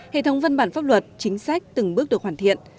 hệ thống văn bản pháp luật chính sách từng bước được hoàn thiện